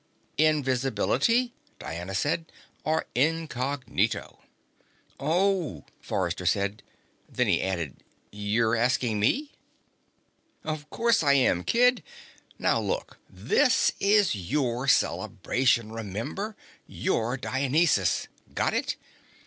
"Invisibility," Diana said, "or incognito?" "Oh," Forrester said. Then he added: "You're asking me?" "Of course I am, kid. Now, look: this is your celebration, remember? You're Dionysus. Got it?